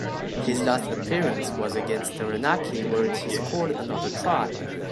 His last appearance was against Taranaki where he scored another try.